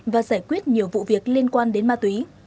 và giải quyết nhiều vụ việc liên quan đến ma túy